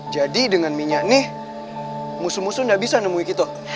jadi dengan minyak nih musuh musuh gak bisa nemuin gitu